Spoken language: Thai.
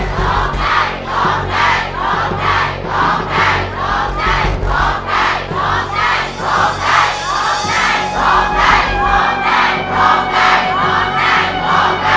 โฆ่งใจโฆ่งใจโฆ่งใจโฆ่งใจ